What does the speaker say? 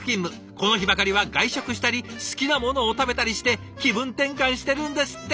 この日ばかりは外食したり好きなものを食べたりして気分転換してるんですって！